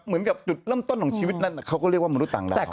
เหมือนกับจุดเริ่มต้นของชีวิตนั้นเขาก็เรียกว่ามนุษย์ต่างดาว